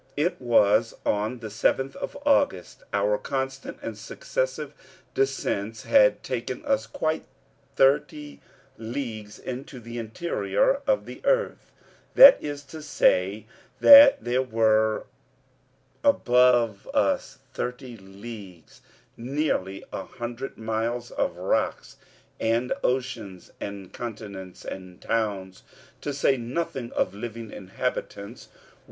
It was on the seventh of August. Our constant and successive descents had taken us quite thirty leagues into the interior of the earth, that is to say that there were above us thirty leagues, nearly a hundred miles, of rocks, and oceans, and continents, and towns, to say nothing of living inhabitants.